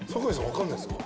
わからないですか？